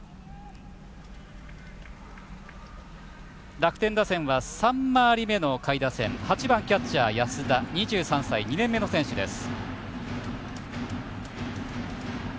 楽天打線は３回り目の下位打線８番キャッチャー、安田２３歳、２年目の選手です。